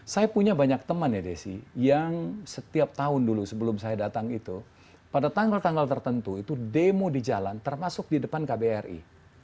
saya punya banyak teman ya desi yang setiap tahun dulu sebelum saya datang itu pada tanggal tanggal tertentu itu demo di jalan termasuk di depan kbri